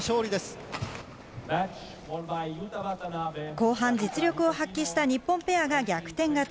後半実力を発揮した日本ペアが逆転勝ち。